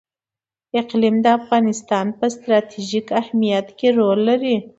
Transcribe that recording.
اقلیم د افغانستان په ستراتیژیک اهمیت کې رول لري.